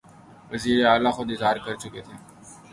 وزیراعلیٰ خود اظہار کرچکے تھے